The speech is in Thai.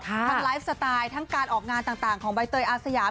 ทั้งไลฟ์สไตล์ทั้งการออกงานต่างของใบเตยอาสยาม